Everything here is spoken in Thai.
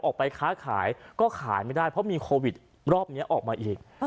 ออกไปค้าขายก็ขายไม่ได้เพราะมีโควิดรอบนี้ออกมาอีก